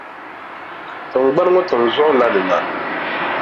Tiŋgbani ŋɔ tiŋʼ zuɣu la ni na.